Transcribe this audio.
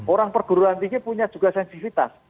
orang perguruan tinggi punya juga sensivitas